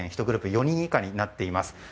１グループ４人以内になっています。